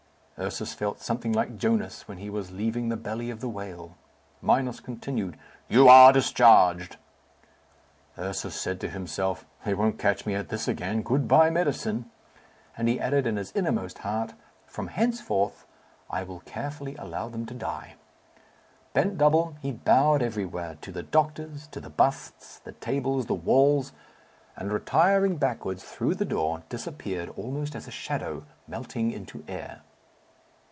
Ursus felt something like Jonas when he was leaving the belly of the whale. Minos continued, "You are discharged." Ursus said to himself, "They won't catch me at this again. Good bye, medicine!" And he added in his innermost heart, "From henceforth I will carefully allow them to die." Bent double, he bowed everywhere; to the doctors, to the busts, the tables, the walls, and retiring backwards through the door, disappeared almost as a shadow melting into air.